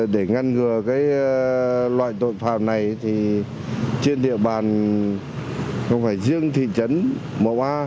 để ngăn ngừa loại tội phạm này trên địa bàn không phải riêng thị trấn mô a